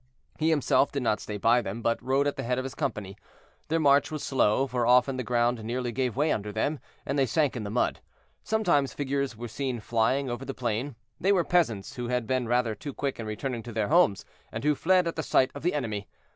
He himself did not stay by them, but rode at the head of his company. Their march was slow, for often the ground nearly gave way under them, and they sank in the mud. Sometimes figures were seen flying over the plain; they were peasants who had been rather too quick in returning to their homes, and who fled at the sight of the enemy.